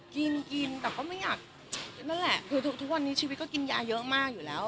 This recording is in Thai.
กินกินแต่ก็ไม่อยากนั่นแหละคือทุกวันนี้ชีวิตก็กินยาเยอะมากอยู่แล้ว